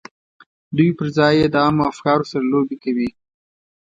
دوی پر ځای یې له عامو افکارو سره لوبې کوي